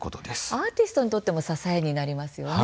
アーティストにとっても支えになりますよね。